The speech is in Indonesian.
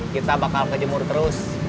kita bakal kejemur terus